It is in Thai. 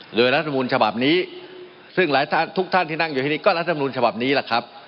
หรือแรกสำรวจฉบับนี้ซึ่งแค่ทุกท่านที่นั่งอยู่แหละก็แรกสำรวจฉบับนี้ละครับ